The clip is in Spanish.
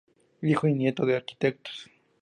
Hijo y nieto de arquitectos.